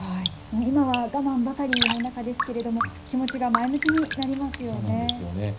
今は我慢ばかりの中ですけれども、気持ちが前向きになりますよね。